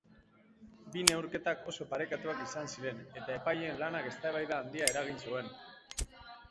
Bi neurketak oso parekatuak izan ziren eta epaileen lanak eztabaida handia eragin zuen.